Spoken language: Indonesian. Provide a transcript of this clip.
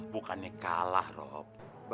bukannya kalah rob